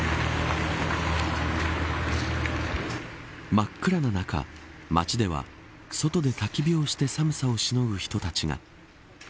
真っ暗な中、街では外でたき火をして寒さをしのぐ人たちが。